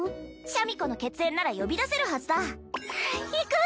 シャミ子の血縁なら呼び出せるはずだ行く！